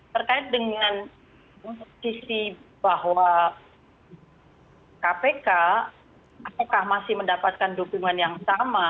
terkait dengan sisi bahwa kpk apakah masih mendapatkan dukungan yang sama